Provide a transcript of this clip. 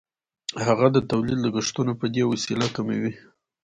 هغه د تولید لګښتونه په دې وسیله کموي